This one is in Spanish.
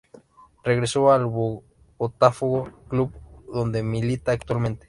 Regresó al Botafogo, club donde milita actualmente.